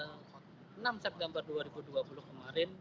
tanggal enam september dua ribu dua puluh kemarin